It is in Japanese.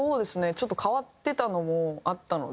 ちょっと変わってたのもあったので。